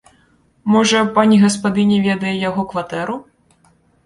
Можа, пані гаспадыня ведае яго кватэру?